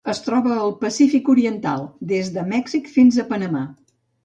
Es troba al Pacífic oriental: des de Mèxic fins a Panamà.